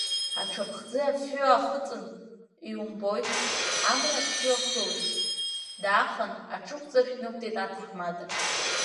Аҽы аԥхӡы афҩы ахыҵын, иумбои, амра афҩы ахылеит, даахан, аҽықәҵаршә днықәтәеит аҭаҳмада.